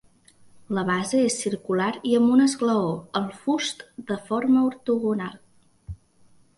La base és circular i amb un esglaó, el fust de forma ortogonal.